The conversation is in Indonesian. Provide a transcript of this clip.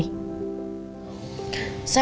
saya cuma berbicara